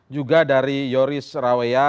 juga dari yoris rawea